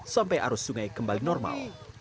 sampai arus sungai kembali normal